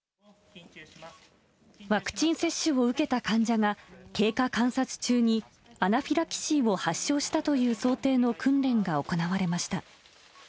ワクチン接種を受けた患者が、経過観察中にアナフィラキシーを発症したという想定の訓練が行われました。